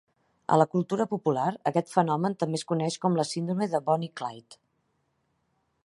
A la cultura popular, aquest fenomen també es coneix com la "síndrome de Bonnie i Clyde".